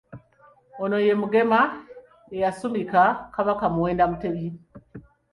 Ono ye Mugema eyasumika Kabaka Muwenda Mutebi.